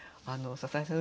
篠井さん